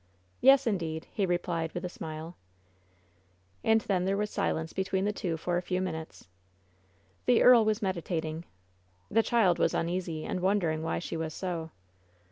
"Yes, indeed!" he replied, with a smile. I 84 WHEN SHADOWS DIE And then there was silence between the two for a few minutes. The earl was meditating. The child was uneasy, and wondering why she was so.